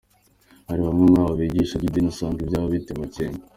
Hari bamwe muri abo bigisha b'idini usanga ivyabo biteye amakenga.